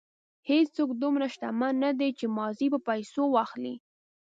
هېڅوک دومره شتمن نه دی چې ماضي په پیسو واخلي.